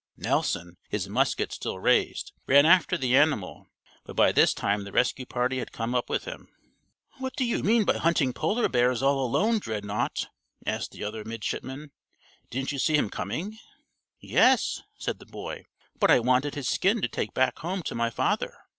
Nelson, his musket still raised, ran after the animal, but by this time the rescue party had come up with him. "What do you mean by hunting polar bears all alone, Dreadnaught?" asked the other midshipman. "Didn't you see him coming?" "Yes," said the boy, "but I wanted his skin to take back home to my father.